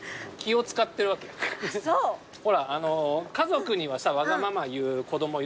ほら家族にはわがまま言う子供いるじゃん。